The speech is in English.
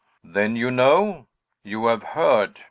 "Then you know! you have heard!